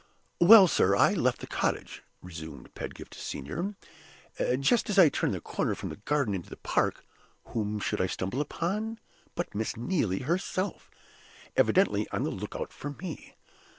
"Well, sir, I left the cottage," resumed Pedgift Senior. "Just as I turned the corner from the garden into the park, whom should I stumble on but Miss Neelie herself, evidently on the lookout for me.